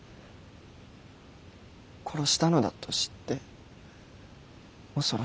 殺したのだと知って恐ろしくて。